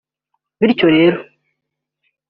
Bityo rero